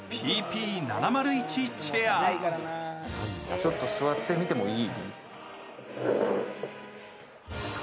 ちょっと座ってみてもいい？